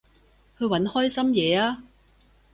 去搵開心嘢吖